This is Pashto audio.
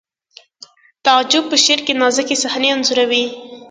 تعجب په شعر کې نازکې صحنې انځوروي